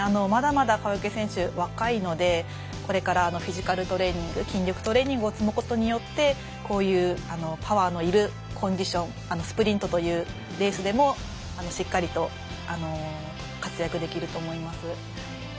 まだまだ川除選手、若いのでこれからフィジカルトレーニング筋力トレーニングを積むことでこういうパワーのいるコンディションスプリントというレースでもしっかりと活躍できると思います。